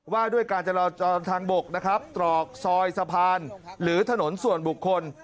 ว่าด้วยการจราจรทางบกนะครับตรอกซอยสะพานหรือถนนส่วนบุคคล